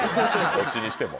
どっちにしても。